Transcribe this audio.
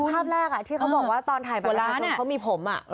ภาพแรกที่เขาบอกว่าตอนถ่ายโบราณเขามีผม